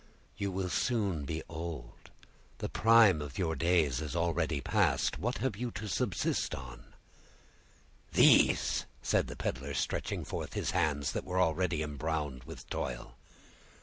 "You will soon be old; the prime of your days is already past; what have you to subsist on?" "These!" said the peddler, stretching forth his hands, that were already embrowned with toil.